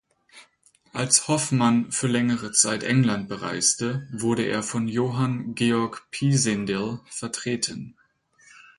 Als Hoffmann für längere Zeit England bereiste, wurde er von Johann Georg Pisendel vertreten.